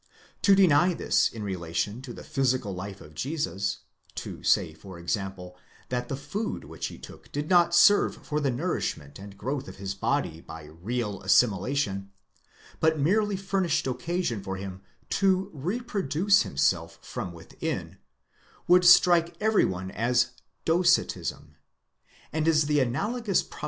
To den this in relation to the physical life of Jesus—to say, for example, that the food which he took did not serve for the nourishment and growth of his body by real assimilation, but merely furnished occasion for him to reproduce himself Ὁ from within, would strike every one as Docetism ; and is the analogous pro